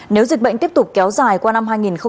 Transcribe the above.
nếu dịch bệnh tiếp tục kéo dài qua năm hai nghìn hai mươi